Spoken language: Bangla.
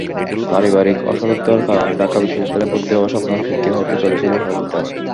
পারিবারিক অসচ্ছলতার কারণে ঢাকা বিশ্ববিদ্যালয়ে ভর্তি হওয়ার স্বপ্ন ফিকে হতে চলেছিল সাজিদার।